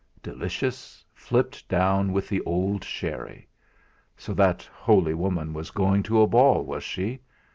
Delicious, flipped down with the old sherry! So that holy woman was going to a ball, was she!